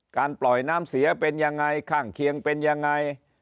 การปล่อยน้ำเสียเป็นยังไง